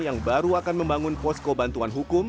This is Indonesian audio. yang baru akan membangun posko bantuan hukum